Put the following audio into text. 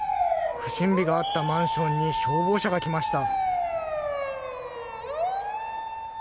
不審火があったマンションに消防車が来ました。